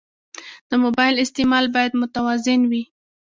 د موبایل استعمال باید متوازن وي.